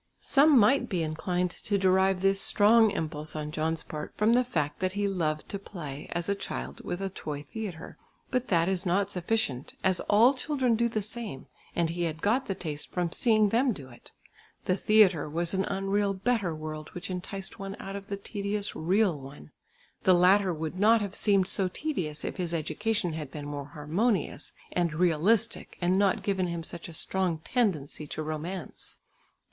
Some might be inclined to derive this strong impulse on John's part from the fact that he loved to play, as a child, with a toy theatre, but that is not sufficient, as all children do the same and he had got the taste from seeing them do it. The theatre was an unreal better world which enticed one out of the tedious real one. The latter would not have seemed so tedious if his education had been more harmonious and realistic and not given him such a strong tendency to romance.